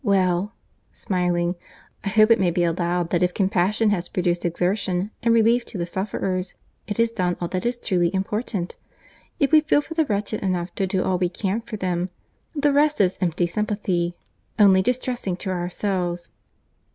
Well, (smiling,) I hope it may be allowed that if compassion has produced exertion and relief to the sufferers, it has done all that is truly important. If we feel for the wretched, enough to do all we can for them, the rest is empty sympathy, only distressing to ourselves."